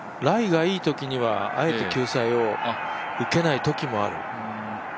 ライがいいときには、あえて救済を受けないときもある。